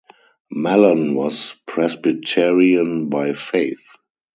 Mellon was Presbyterian by faith.